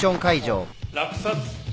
落札。